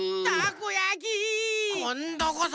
こんどこそ！